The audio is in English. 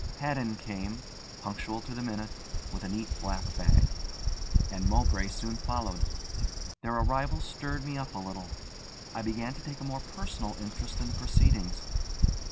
Haddon came, punctual to the minute, with a neat black bag; and Mowbray soon followed. Their arrival stirred me up a little. I began to take a more personal interest in the proceedings.